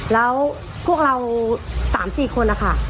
แล้วพวกเรา๓๔คนนะคะ